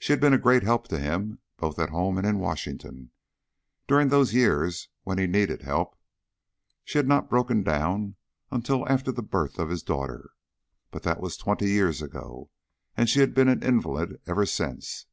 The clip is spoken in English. She had been a great help to him, both at home and in Washington, during those years when he needed help. She had not broken down until after the birth of his daughter, but that was twenty years ago, and she had been an invalid ever since.